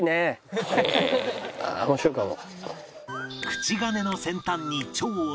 面白いかも。